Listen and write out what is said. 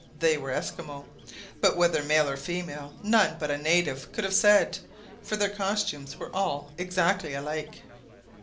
They were Esquimaux, but whether male or female none but a native could have said, for their costumes were all exactly alike.